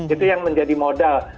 itu yang menjadi modal